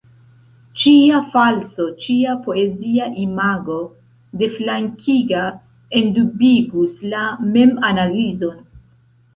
Ĉia falso, ĉia poezia imago deflankiga, endubigus la memanalizon.